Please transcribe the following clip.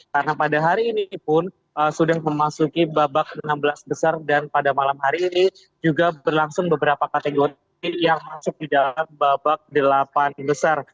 karena pada hari ini pun sudah memasuki babak enam belas besar dan pada malam hari ini juga berlangsung beberapa kategori yang masuk di dalam babak delapan besar